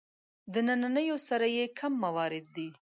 د نننیو سره یې کم موارد دي.